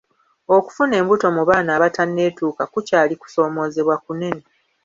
Okufuna embuto mu baana abatanneetuuka kukyali kusoomozebwa kunene.